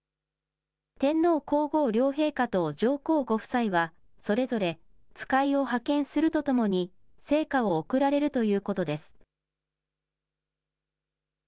天皇皇后両陛下と上皇ご夫妻は、それぞれ使いを派遣するとともに、生花を贈られるということです。